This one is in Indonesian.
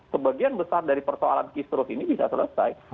sebagian besar dari persoalan kistrust ini bisa selesai